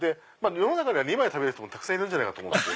世の中には２枚食べる人もたくさんいると思って。